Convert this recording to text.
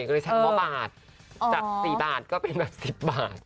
ก็เลยใช้คำว่าบาทจาก๔บาทก็เป็นแบบ๑๐บาท